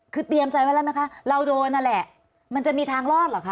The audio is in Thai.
คือเตรียมใจไว้แล้วไหมคะเราโดนนั่นแหละมันจะมีทางรอดเหรอคะ